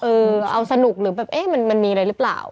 เออเอาสนุกหรือแบบเอ๊ะมันมีอะไรหรือเปล่า